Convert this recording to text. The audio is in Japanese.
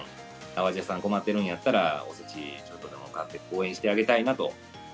淡路屋さん、困ってるんやったらおせち、ちょっとでも買って応援してあげたいなと。